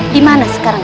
di mana sekarang